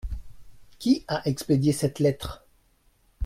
Qui a expédié cette lettre ?